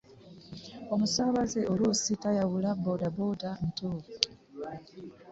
Omusaabaze oluusi tayawula boodabooda ntuufu.